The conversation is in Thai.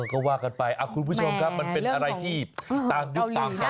ก็ว่ากันไปคุณผู้ชมครับมันเป็นอะไรที่ตามยุคต่าง